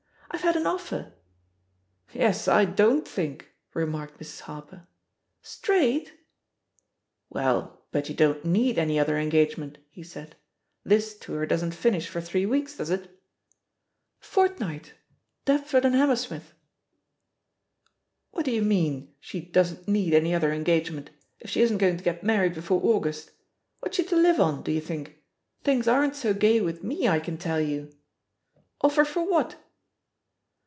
"I've had an offer 1" "Yes, I don^'t think I" remarked Mrs. Harper. "Straight 1" "Well, but you don't need any other engage ment," he said ; "this tour doesn't finish for three yreeks, does it?" "Fortnight — ^Deptford and Hammersmith." "What do you mean, she ^doesn't need any other engagement,' if she isn't going to get mar ried before August? What's she to live on, do you think? Things aren't so gay with me, I can tell you I Offer for what?"